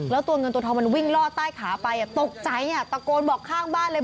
แล้วตัวเงินตัวทองมันวิ่งล่อใต้ขาไปตกใจตะโกนบอกข้างบ้านเลย